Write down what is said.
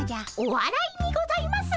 おわらいにございます